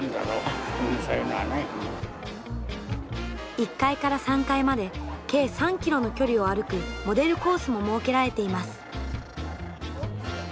１階から３階まで計３ｋｍの距離を歩くモデルコースも設けられています。